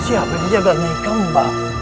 siapa yang jaga eik kembal